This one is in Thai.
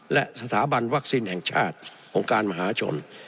และสถาบันวัคซีนแห่งชาติองค์การมหาชน